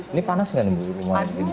ini panas kan rumah ini